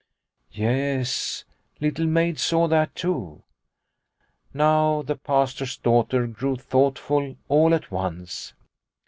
" Yes," Little Maid saw that too. Now the pastor's daughter grew thoughtful all at once.